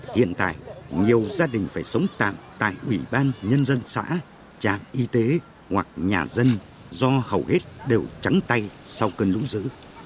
hiện tại nhiều gia đình phải sống tạm tại ủy ban nhân dân xã trạm y tế hoặc nhà dân do hầu hết đều trắng tay sau cơn lũ dữ